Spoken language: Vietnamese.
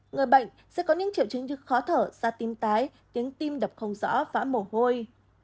người bệnh sẽ có những triệu chứng như khó thở da tim tái tiếng tim đập không rõ phá mồ hôi